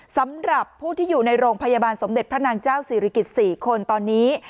สำหรับผู้ที่อยู่ในโรงพยาบาลสมเด็จพระนางเจ้าศิริกิจ๔คนตอนนี้